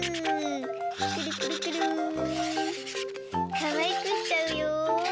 かわいくしちゃうよ。